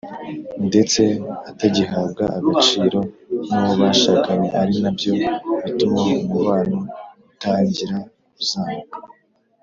ndetse atagihabwa agaciro nuwo bashakanye ari nabyo bituma umubano utangira kuzamba.